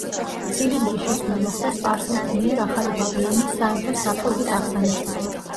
ცილინდრის შექმნა მოხდა სპარსელთა მიერ ახალი ბაბილონის სამეფოს დაპყრობის აღსანიშნავად.